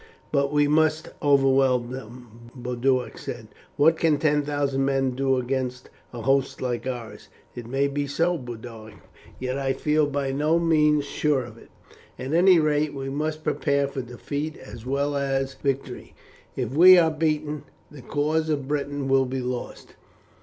"But we must overwhelm them," Boduoc said. "What can ten thousand men do against a host like ours?" "It may be so, Boduoc. Yet I feel by no means sure of it. At any rate we must prepare for defeat as well as victory. If we are beaten the cause of Britain will be lost.